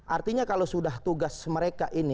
artinya kalau sudah tugas mereka ini